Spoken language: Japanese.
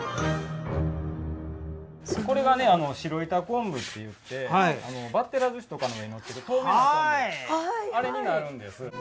これがね白板昆布といってバッテラ寿司とかの上にのってる透明な昆布あれになるんです。